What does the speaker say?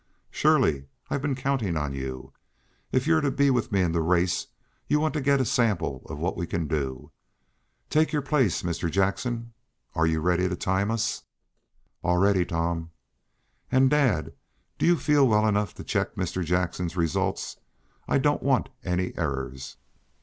"Surely. I've been counting on you. If you're to be with me in the race, you want to get a sample of what we can do. Take your place. Mr. Jackson, are you ready to time us?" "All ready, Tom." "And, dad, do you feel well enough to check back Mr. Jackson's results? I don't want any errors."